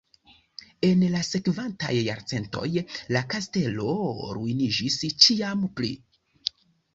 En la sekvantaj jarcentoj la kastelo ruiniĝis ĉiam pli.